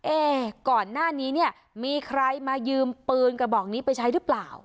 เอ๊ก่อนหน้านี้เนี่ยมีใครมายืมปืนกระบอกนี้ไปใช้หรือเปล่า